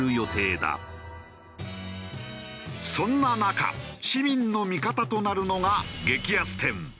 そんな中市民の味方となるのが激安店。